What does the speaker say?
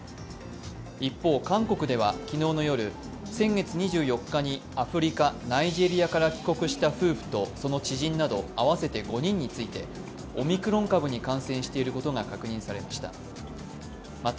一方、韓国では昨日の夜、先月２４日にアフリカ、ナイジェリアから帰国した夫婦とその知人など合わせて５人についてオミクロン株に感染していることが確認されました。